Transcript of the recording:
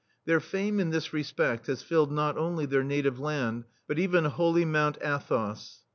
Their fame in this respedt has filled not only their native land, but even holy Mount Athos.